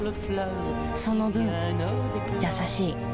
その分優しい